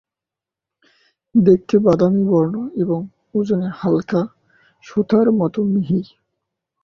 দেখতে বাদামী বর্ণ এবং ওজনে হালকা, সুতার মতো মিহি।